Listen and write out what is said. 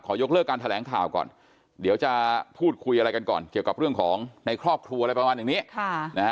ยกเลิกการแถลงข่าวก่อนเดี๋ยวจะพูดคุยอะไรกันก่อนเกี่ยวกับเรื่องของในครอบครัวอะไรประมาณอย่างนี้